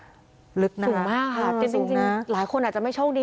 สูงมากค่ะจริงหลายคนอาจจะไม่โชคดี